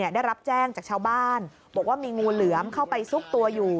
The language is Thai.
ได้รับแจ้งจากชาวบ้านบอกว่ามีงูเหลือมเข้าไปซุกตัวอยู่